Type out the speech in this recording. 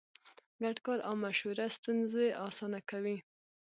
ګډ کار او مشوره ستونزې اسانه کوي.